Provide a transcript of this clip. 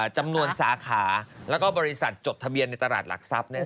จำนวนสาขาแล้วก็บริษัทจดทะเบียนในตลาดหลักทรัพย์